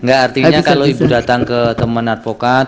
enggak artinya kalau ibu datang ke teman advokat